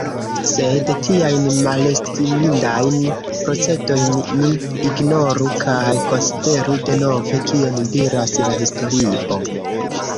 Sed tiajn malestimindajn procedojn ni ignoru kaj konsideru denove, kion diras la historio.